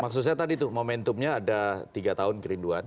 maksud saya tadi tuh momentumnya ada tiga tahun kerinduan